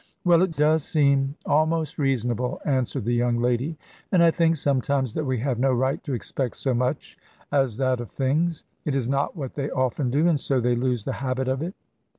"Well, it does seem almost reasonable," answered the young lady: "and I think sometimes that we have no right to expect so much as that of things. It is not what they often do; and so they lose the habit of it."